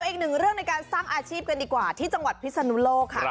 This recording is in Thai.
อีกหนึ่งเรื่องในการสร้างอาชีพกันดีกว่าที่จังหวัดพิศนุโลกค่ะ